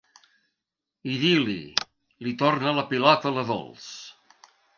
Idil·li, li torna la pilota la Dols.